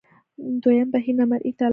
دویم بهیر نامرئي طالبان دي.